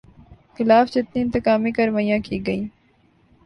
خلاف جتنی انتقامی کارروائیاں کی گئیں